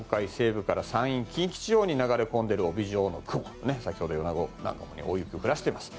山陰や近畿地方に流れ込んでいる帯状の雲、先ほどの米子などにも大雪を降らしています。